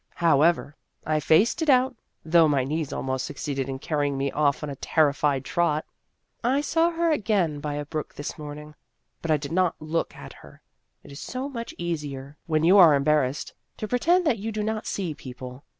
However, I faced it out, though my knees almost succeeded in carrying me off on a terrified trot. I saw her again by a brook this morning, but I did not look at her. It is so much easier, when you are embar 198 Vassar Studies rassed, to pretend that you do not see people.